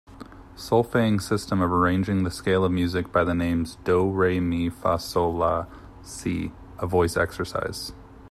Solfaing system of arranging the scale of music by the names do, re, mi, fa, sol, la, si a voice exercise.